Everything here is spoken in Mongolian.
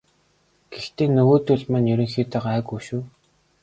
Гэхдээ нөгөөдүүл маань ерөнхийдөө гайгүй шүү.